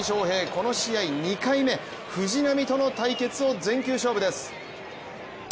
この試合２回目、藤浪との対決を全球勝負です。